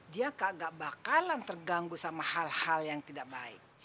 dia agak bakalan terganggu sama hal hal yang tidak baik